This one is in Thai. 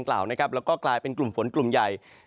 แล้วก็กลายเป็นกลุ่มฝนกลุ่มใหญ่